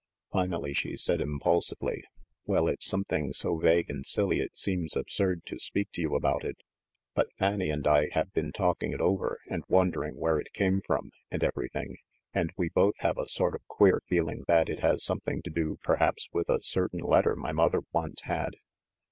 Finally she said impulsively, "Well, it's something so vague and silly it seems absurd to speak to you about it. But Fanny and I have been talking it over and wondering where it came from, and everything, and we both have a sort of queer feeling that it has something to do, perhaps, with a certain letter my mother once had."